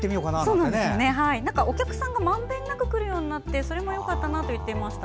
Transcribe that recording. お客さんがまんべんなく来るようになったのでそれもよかったと言っていました。